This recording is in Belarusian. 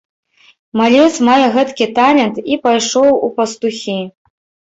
Малец мае гэткі талент і пайшоў у пастухі!